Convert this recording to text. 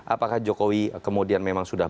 apakah jokowi kemudian memang sudah